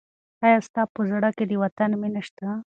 آیا ستا په زړه کې د وطن مینه شته؟